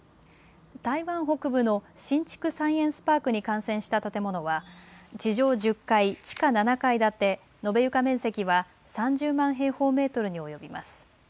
台湾北部の新竹サイエンスパークに完成した建物は地上１０階、地下７階建て延べ床面積は３０万平方メートルに及びます。